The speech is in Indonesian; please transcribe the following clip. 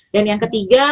dan yang ketiga